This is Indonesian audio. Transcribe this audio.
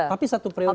tapi satu periode